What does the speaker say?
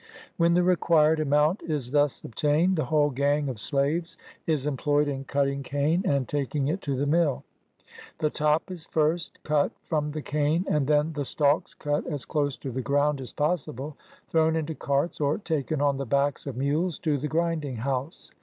"When the required amount is thus obtained, the whole gang of slaves is employed in cut 20 BIOGRAPHY OF ting cane and taking it to the mill. The top is first cut from the cane, and then the stalks eat as close to the ground as possible, thrown into carts, or taken on the backs of mules to the grinding house.